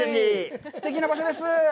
すてきな場所です。